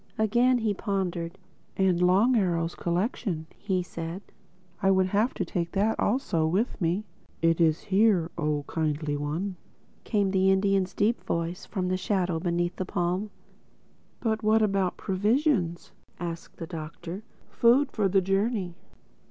Again he pondered. "And Long Arrow's collection," he said. "I would have to take that also with me." "It is here, Oh Kindly One," came the Indian's deep voice from the shadow beneath the palm. "But what about provisions," asked the Doctor—"food for the journey?"